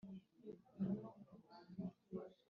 Ngo kw’ishuri ryabo barabagaburira